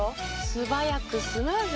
素早くスムーズ。